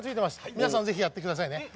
皆さんぜひやってくださいね。